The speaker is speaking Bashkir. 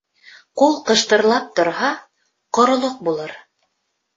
Ҡул ҡыштырлап торһа, ҡоролоҡ булыр.